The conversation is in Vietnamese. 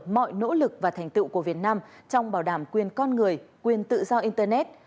mọi nỗ lực và thành tựu của việt nam trong bảo đảm quyền con người quyền tự do internet